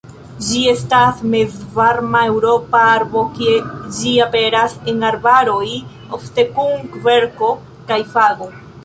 Ĝi estas Mezvarma-Eŭropa arbo, kie ĝi aperas en arbaroj ofte kun kverko kaj fago.